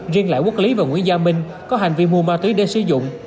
riêng lại quốc lý và nguyễn gia minh có hành vi mua ma túy để sử dụng